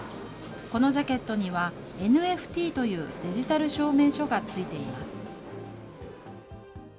このジャケットには、ＮＦＴというデジタル証明書がついています。